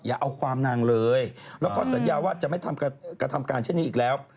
อย่าเอาความนางเลยแล้วก็สัญญาว่าจะไม่กระทำการเช่นนี้อีกแล้ว